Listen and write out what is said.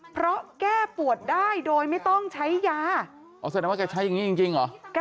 เพราะแก้ปวดได้โดยไม่ต้องใช้ยาอ๋อแสดงว่าแกใช้อย่างนี้จริงเหรอ